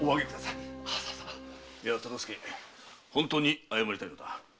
いや忠相本当に謝りたいのだ。